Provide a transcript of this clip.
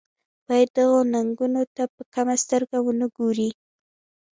باید دغو ننګونو ته په کمه سترګه ونه ګوري.